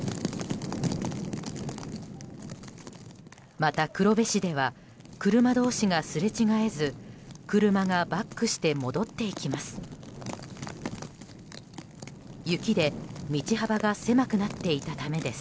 また黒部市では車同士がすれ違えず車がバックして戻っていきます。